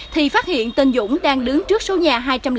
thì phát hiện tên dũng đang đứng trước số nhà hai trăm linh tám